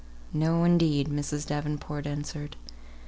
"No, indeed!" Mrs. Davenport answered.